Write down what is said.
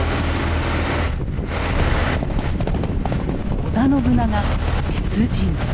織田信長出陣。